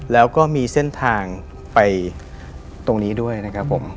แล้วก็มีเส้นทางไปตรงนี้ด้วยนะครับผม